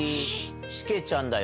しけちゃんだよ！